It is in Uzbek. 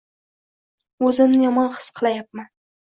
O'zimni yomon his qilayapman.